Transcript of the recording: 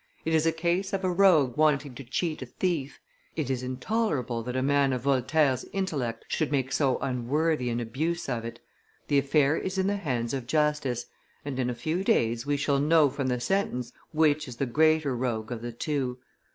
It is a case of a rogue wanting to cheat a thief. It is intolerable that a man of Voltaire's intellect should make so unworthy an abuse of it. The affair is in the hands of justice; and, in a few days, we shall know from the sentence which is the greater rogue of the two.